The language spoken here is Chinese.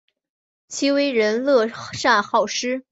其为人乐善好施。